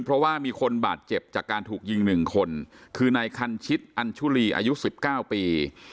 เพราะว่ามีคนบาดเจ็บจากการถูกยิง๑คนคือนายคันชิตอันชุลีอายุ๑๙ปี